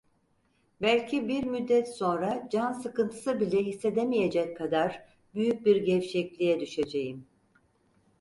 Belki bir müddet sonra can sıkıntısı bile hissedemeyecek kadar büyük bir gevşekliğe düşeceğim.